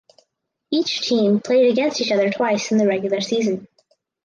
Each team played against each other twice in the regular season.